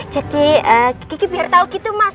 jadi gigi biar tau gitu mas